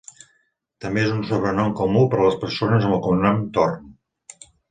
També és un sobrenom comú per a les persones amb el cognom Thorne.